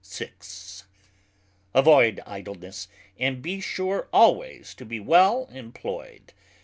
6. Avoid Idleness, and be sure alwayes to be well employed.